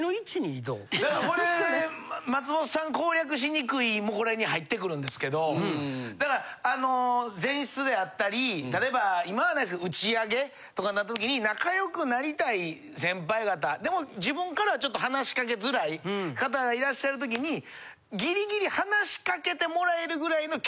これ「松本さん攻略しにくい」もこれに入ってくるんですけどだからあの前室で会ったり例えば今はないですけど打ち上げとかなったときに仲良くなりたい先輩方でも自分からはちょっと話しかけづらい方いらっしゃるときに。にいておくと。